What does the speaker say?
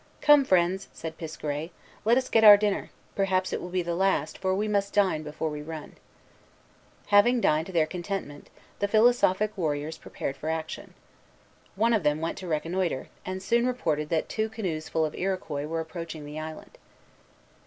"Come, friends," said Piskaret, "let us get our dinner: perhaps it will be the last, for we must dine before we run." Having dined to their contentment, the philosophic warriors prepared for action. One of them went to reconnoitre, and soon reported that two canoes full of Iroquois were approaching the island.